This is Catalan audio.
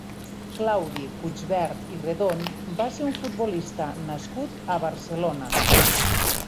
Claudi Puigvert i Redon va ser un futbolista nascut a Barcelona.